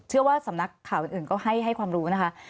สำนักข่าวอื่นก็ให้ความรู้นะคะ